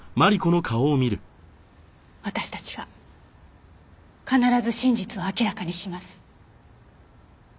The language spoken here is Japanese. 私たちが必ず真実を明らかにします。